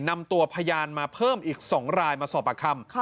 นำตัวพยานมาเพิ่มอีก๒รายมาสอบปากคำ